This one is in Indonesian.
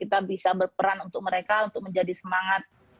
kita bisa berperan untuk mereka untuk menjadi semangat